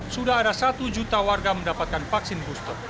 sudah ada satu juta warga mendapatkan vaksin booster